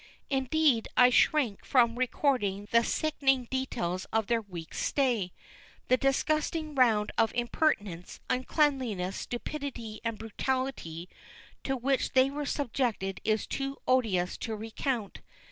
Indeed, I shrink from recording the sickening details of their week's stay. The disgusting round of impertinence, uncleanliness, stupidity, and brutality to which they were subjected is too odious to recount.